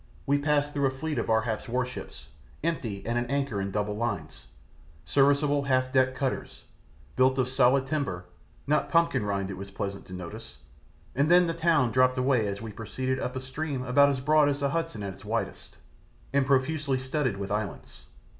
We passed through a fleet of Ar hap's warships, empty and at anchor in double line, serviceable half decked cutters, built of solid timber, not pumpkin rind it was pleasant to notice, and then the town dropped away as we proceeded up a stream about as broad as the Hudson at its widest, and profusely studded with islands.